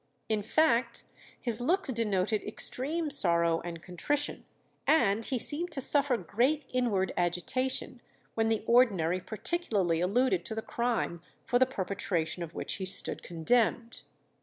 "In fact his looks denoted extreme sorrow and contrition, and he seemed to suffer great inward agitation when the ordinary particularly alluded to the crime for the perpetration of which he stood condemned."